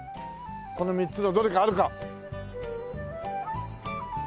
この３つのどれかあるか！？